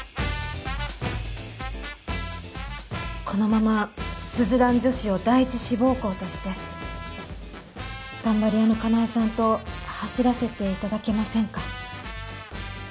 このまま鈴蘭女子を第一志望校として頑張り屋の佳苗さんと走らせていただけませんか。